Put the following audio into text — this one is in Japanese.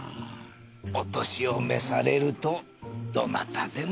お年を召されるとどなたでも。